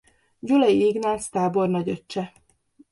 Gyulay Ignác tábornagy öccse.